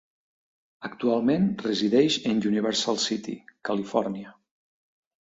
Actualment resideix en Universal City, Califòrnia.